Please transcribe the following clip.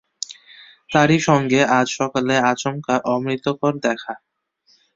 তারই সঙ্গে আজ সকালে আচমকা অমিতর দেখা।